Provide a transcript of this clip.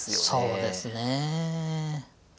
そうですね。